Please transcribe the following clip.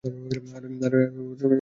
আরে চিনি না।